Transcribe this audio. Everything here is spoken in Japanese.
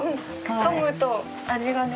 かむと味がね